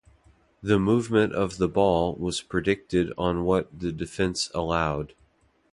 The movement of the ball was predicated on what the defense allowed.